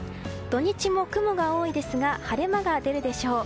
土日も雲が多いですが晴れ間が出るでしょう。